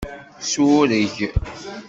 Sureg.